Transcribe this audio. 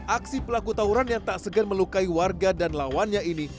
aksi pelaku tawuran yang tak segan melukai warga dan lawannya ini